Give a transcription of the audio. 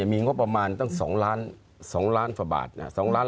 มีงบประมาณตั้ง๒ล้าน